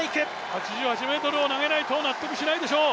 ８８ｍを投げないと納得しないでしょう。